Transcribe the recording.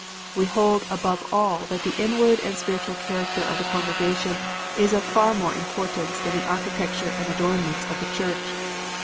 We hold above all that the inward and spiritual character of the congregation is of far more importance than the architecture and adornments of the church.